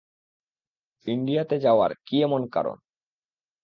ইন্ডিয়াতে যাওয়ার কী এমন কারণ?